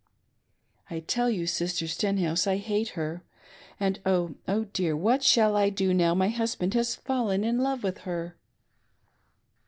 I tell you. Sister Stenhouse, I hate her; and oh, oh, dear what shall I do now my husband has fallen in love with her